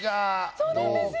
そうなんですよ！